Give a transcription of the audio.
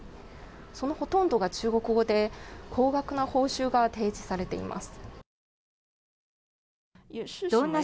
そのほとんどが中国語で高額な報酬が提示されています。